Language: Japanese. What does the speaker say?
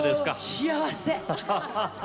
幸せ！